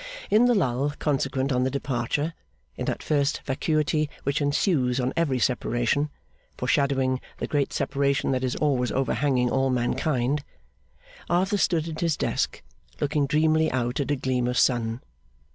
In the lull consequent on the departure in that first vacuity which ensues on every separation, foreshadowing the great separation that is always overhanging all mankind Arthur stood at his desk, looking dreamily out at a gleam of sun.